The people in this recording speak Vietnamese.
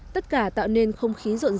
tất cả tạo nên không khí rộn ràng